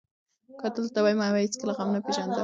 که ته دلته وای، ما به هېڅکله غم نه پېژانده.